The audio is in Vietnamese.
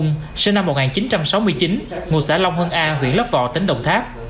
trần văn ú sinh năm một nghìn chín trăm sáu mươi chín ngôi xã long hưng an huyện lấp vò tỉnh đồng tháp